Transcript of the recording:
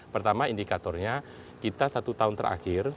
pertama indikatornya kita satu tahun terakhir